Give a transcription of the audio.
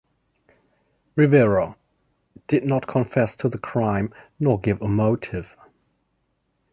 Rivera did not confess to the crime, nor give a motive.